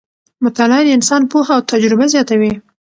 مطالعه د انسان پوهه او تجربه زیاتوي